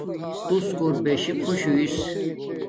توس کوٹ بشی خوش ہوݵس